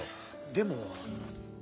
でも。